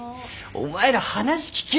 お前ら話聞けよ！